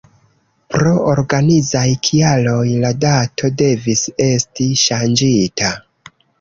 Pro organizaj kialoj la dato devis esti ŝanĝita!.